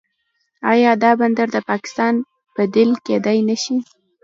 آیا دا بندر د پاکستان بدیل کیدی نشي؟